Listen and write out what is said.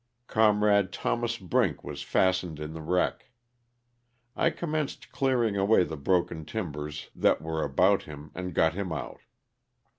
Comrade Thos. Brink was fastened in the wreck. I commenced clearing away the broken tim bers that were about him and got him out.